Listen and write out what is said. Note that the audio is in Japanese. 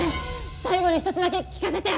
最後に一つだけ聞かせて！